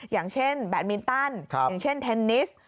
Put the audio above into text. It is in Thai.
อย่างเช่นแบตมินตันอย่างเช่นเทนนิส